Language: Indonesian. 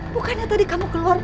bukannya tadi kamu keluar